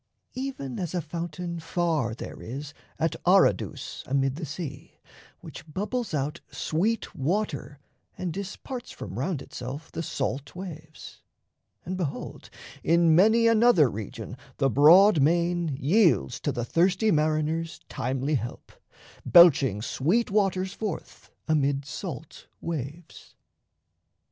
Even as a fountain far There is at Aradus amid the sea, Which bubbles out sweet water and disparts From round itself the salt waves; and, behold, In many another region the broad main Yields to the thirsty mariners timely help, Belching sweet waters forth amid salt waves.